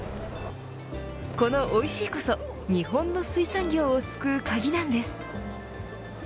この、おいしいこそ日本の水産業を救う鍵なんです。